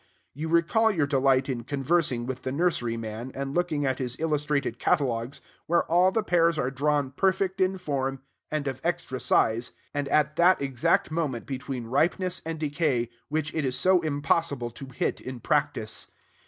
You recall your delight in conversing with the nurseryman, and looking at his illustrated catalogues, where all the pears are drawn perfect in form, and of extra size, and at that exact moment between ripeness and decay which it is so impossible to hit in practice.